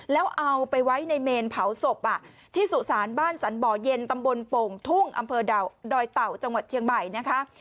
แล้วเอาไปไว้ในเมนเผาศพที่สุสานบ้านสรรบ่อเย็นตำบลโป่งทุ่งอำเภอดอยเต่าจังหวัดเชียงใหม่นะคะ